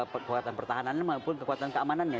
kekuatan pertahanannya maupun kekuatan keamanannya